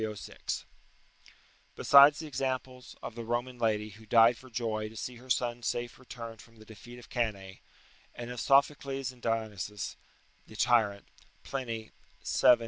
306.] Besides the examples of the Roman lady, who died for joy to see her son safe returned from the defeat of Cannae; and of Sophocles and of Dionysius the Tyrant, [Pliny, vii.